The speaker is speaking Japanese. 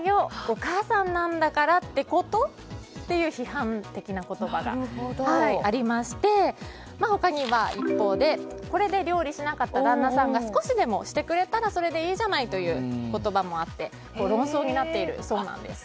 お母さんなんだからってこと？という批判的な言葉がありまして他には、一方でこれで料理しなかった旦那さんが少しでもしてくれたらそれでいいじゃないかという言葉もあって論争になっているそうなんです。